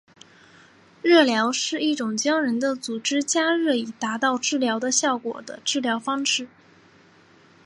热疗是一种将人的组织加热以达到治疗的效果的治疗方式。